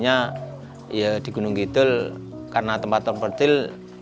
karena di gunung kidul karena tempatnya kecil